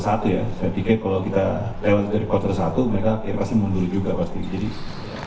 saya pikir kalau kita lewat dari kuartal satu mereka ya pasti mundur juga pasti